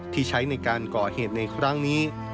ที่ใช้ในการก่อเหตุในครั้งนี้